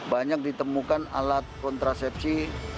banyak ditemukan alat kontrasepsi